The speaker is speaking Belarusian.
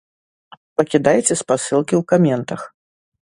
Пакідайце спасылкі ў каментах!